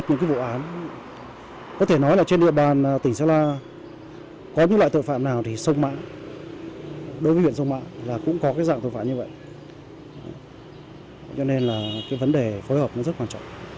cho nên là cái vấn đề phối hợp nó rất quan trọng